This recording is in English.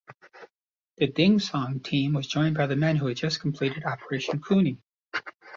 The Dingson team was joined by the men who had just completed Operation Cooney.